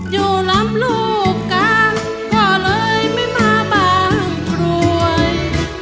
อยู่ลำลูกกาก็เลยไม่มาบางกรวย